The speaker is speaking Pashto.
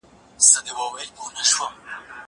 مينه وښيه!!